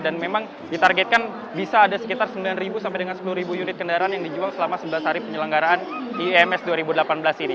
dan memang ditargetkan bisa ada sekitar sembilan sampai dengan sepuluh unit kendaraan yang dijual selama sebelas hari penyelenggaraan iems dua ribu delapan belas ini